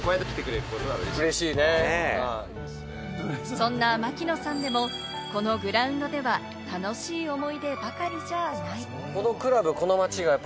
そんな槙野さんでも、このグラウンドでは楽しい思い出ばかりじゃない。